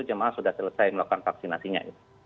jemaah sudah selesai melakukan vaksinasinya